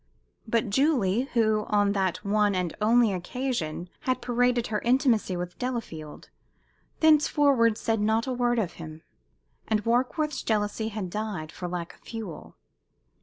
But Julie, who on that one and only occasion had paraded her intimacy with Delafield, thenceforward said not a word of him, and Warkworth's jealousy had died for lack of fuel.